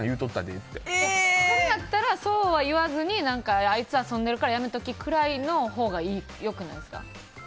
そうやったらそうは言わずにあいつ遊んでるからやめときくらいのほうが良くないですか？